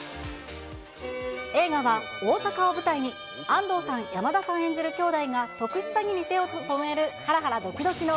映画は大阪を舞台に、安藤さん、山田さん演じる姉弟が、特殊詐欺に手を染めるはらはらどきどきの